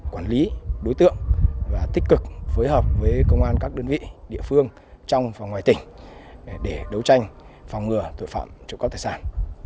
quản lý đối tượng và tích cực phối hợp với công an các đơn vị địa phương trong và ngoài tỉnh để đấu tranh phòng ngừa tội phạm trộm cắp tài sản